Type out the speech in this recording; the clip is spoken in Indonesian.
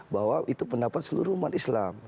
bahwa itu pendapat seluruh umat islam